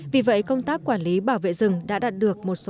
vì vậy công tác quản lý bảo vệ rừng đã đạt được một số kết thúc